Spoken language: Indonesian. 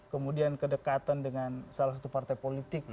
kemudian kedekatan dengan salah satu partai politik